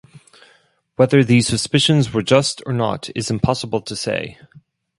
Whether these suspicions were just or not is impossible to say.